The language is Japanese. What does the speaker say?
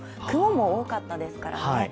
雲も多かったですからね。